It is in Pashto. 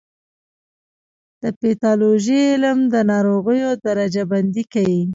د پیتالوژي علم د ناروغیو درجه بندي کوي.